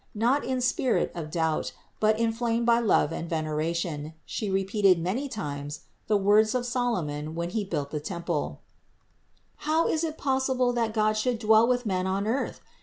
Not in a spirit of doubt, but inflamed by love and veneration, She repeated many times the words of Solomon when he built the temple: "How is it possible that God should dwell with men on earth?